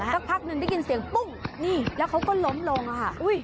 สักพักหนึ่งได้ยินเสียงปุ้งนี่แล้วเขาก็ล้มลงค่ะ